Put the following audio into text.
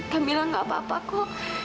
kamila enggak apa apa kok